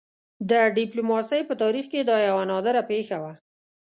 د ډيپلوماسۍ په تاریخ کې دا یوه نادره پېښه وه.